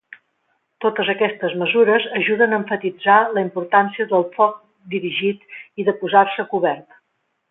Totes aquestes mesures ajuden a emfatitzar la importància del foc dirigit i de posar-se a cobert.